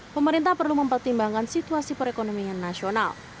pemerintah perlu mempertimbangkan situasi perekonomian nasional